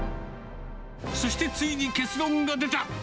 そして、ついに結論が出た。